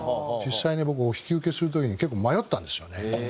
実際に僕お引き受けする時に結構迷ったんですよね。